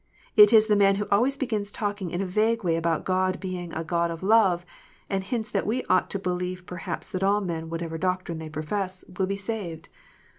It is the man who always begins talking in a vague way about God being a God of love, and hints that we ought to believe perhaps that all men, whatever doctrine they profess, will be saved.